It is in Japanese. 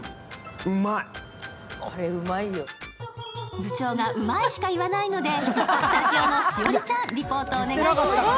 部長がうまいしか言わないのでスタジオの栞里ちゃん、リポートをお願いします。